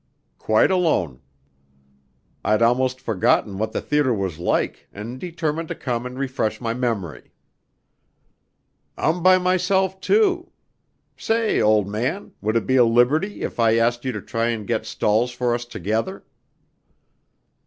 "Quite alone. I'd almost forgotten what the theatre was like, and determined to come and refresh my memory." "I'm by myself, too. Say, old man, would it be a liberty if I asked you to try and get stalls for us together?"